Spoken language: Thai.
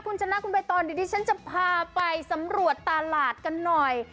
คุณชนะคุณใบตองเดี๋ยวดิฉันจะพาไปสำรวจตลาดกันหน่อย